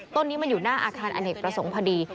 ต้นนี้มันอยู่หน้าอาคารอเนกประสงค์พอดี